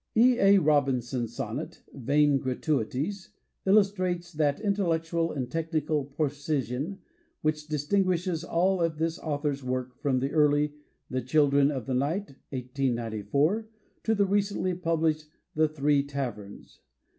E. A. Robinson's sonnet "Vain Gra tuities" illustrates that intellectual and technical precision which distin guishes all of this author's work from the early "The Children of the Night" (1894) to the recently published "The Three Taverns".